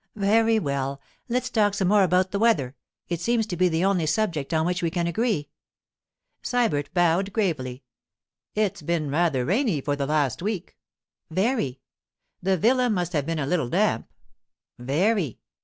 'Very well. Let's talk some more about the weather. It seems to be the only subject on which we can agree.' Sybert bowed gravely. 'It's been rather rainy for the last week.' 'Very.' 'The villa must have been a little damp.' 'Very.